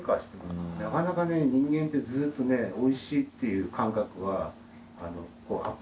なかなかね人間ってずっとおいしいっていう感覚は。